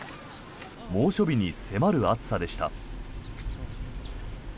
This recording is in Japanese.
猛暑日に迫る暑さでした。